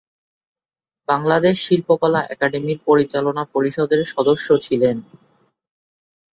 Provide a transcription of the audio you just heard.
বাংলাদেশ শিল্পকলা একাডেমীর পরিচালনা পরিষদের সদস্য ছিলেন।